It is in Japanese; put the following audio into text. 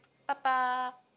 パパ。